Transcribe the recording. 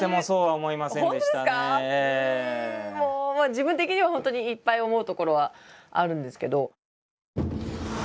自分的には本当にいっぱい思うところはあるんですけど。